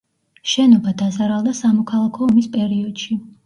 შენობა დაზარალდა სამოქალაქო ომის პერიოდში.